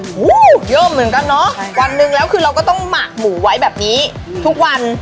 โอ้โหเยอะเหมือนกันเนอะวันหนึ่งแล้วคือเราก็ต้องหมักหมูไว้แบบนี้ทุกวัน